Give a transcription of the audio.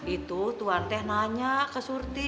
itu tuhan teh nanya ke surti